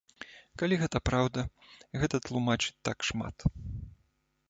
Калі гэта праўда, гэта тлумачыць так шмат.